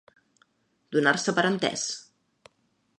Donar-se per entès.